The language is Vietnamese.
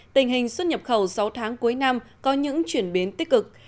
tình hình xuất nhập khẩu sáu tháng cuối năm có những chuyển biến tích cực